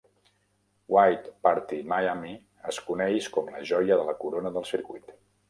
White Party Miami es coneix com la joia de la corona del circuit.